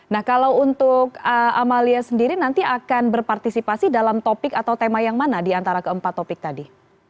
nah kalau untuk amalia sendiri nanti akan berpartisipasi dalam topik atau tema yang mana di antara keempat topik tadi